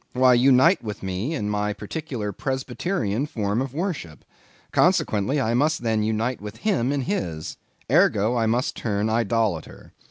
Why, unite with me in my particular Presbyterian form of worship. Consequently, I must then unite with him in his; ergo, I must turn idolator.